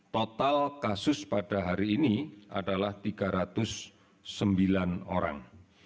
total kasus pada hari ini adalah tiga ratus sembilan orang